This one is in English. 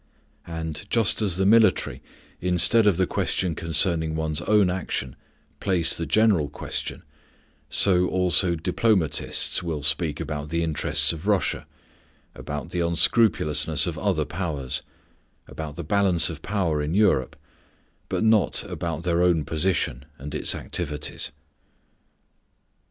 And, just as the military, instead of the question concerning one's own action, place the general question, so also diplomatists will speak about the interests of Russia, about the unscrupulousness of other Powers, about the balance of power in Europe, but not about their own position and its activities.